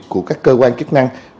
của các cơ quan chức năng